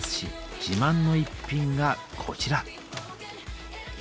自慢の一品がこちら。